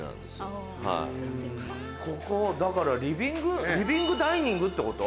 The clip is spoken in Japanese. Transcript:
ここだからリビングダイニングってこと？